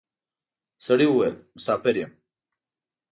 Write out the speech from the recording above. سړي وويل: مساپر یم.